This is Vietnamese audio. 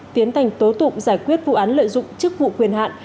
tiến hành tố tụng giải quyết vụ án lợi dụng chức vụ quyền hạn